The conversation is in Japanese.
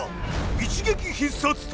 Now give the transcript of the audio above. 一撃必殺隊